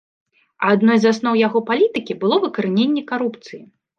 Адной з асноў яго палітыкі было выкараненне карупцыі.